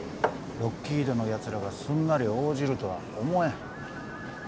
ロッキードのやつらがすんなり応じるとは思えん。